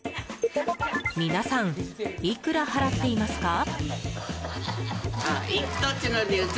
皆さん、いくら払っていますか？